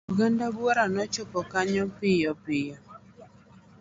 Oganda buora nochopo kanyo piyo piyo.